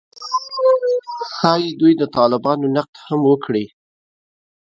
ښايي دوی د طالبانو نقد هم وکړي